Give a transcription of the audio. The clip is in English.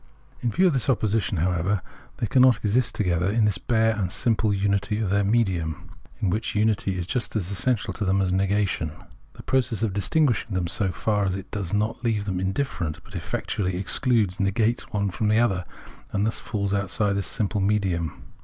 In view of this opposition, however, they cannot exist together in the bare and simple imity of their " medium," which unity is just as essential to them as negation. The process of distinguishing them, so far as it does not leave them indifferent, but effectually excludes, negates one fj'om another, thus falls outside this simple " medium."